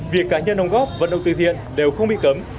việc cá nhân đóng góp vận động từ thiện đều không bị cấm